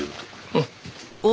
うん。